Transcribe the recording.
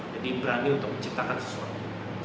jadi berani untuk menciptakan sesuatu